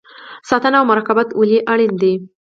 ساتنه او مراقبت ولې اړین دی؟